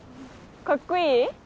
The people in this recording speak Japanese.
かっこいい？